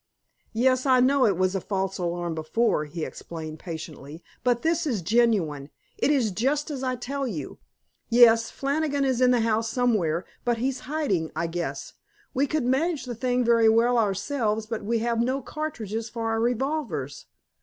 "Yes, I know it was a false alarm before," he explained patiently, "but this is genuine. It is just as I tell you. Yes, Flannigan is in the house somewhere, but he's hiding, I guess. We could manage the thing very well ourselves, but we have no cartridges for our revolvers."